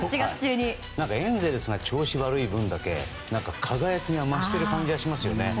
エンゼルスが調子が悪い分だけ輝きが増している感じがしますよね。